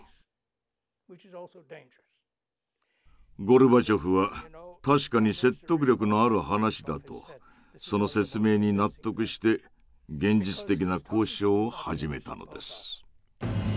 ゴルバチョフは「確かに説得力のある話だ」とその説明に納得して現実的な交渉を始めたのです。